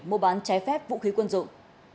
mua bán trái phép vũ khí quân dụng